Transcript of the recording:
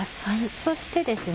そしてですね